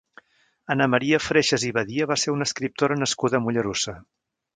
Anna Maria Freixes i Badia va ser una escriptora nascuda a Mollerussa.